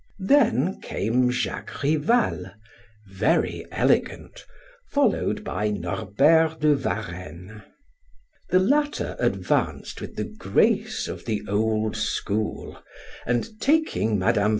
Then came Jacques Rival, very elegant, followed by Norbert de Varenne. The latter advanced with the grace of the old school and taking Mme.